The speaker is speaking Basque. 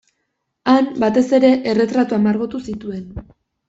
Han, batez ere, erretratuak margotu zituen.